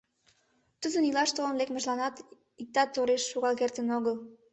Тудын илаш толын лекмыжланат иктат тореш шогал кертын огыл.